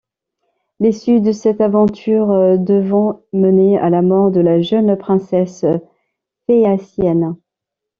L'issue de cette aventure devant mener à la mort de la jeune princesse phéacienne.